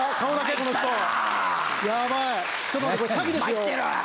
ちょっと待って。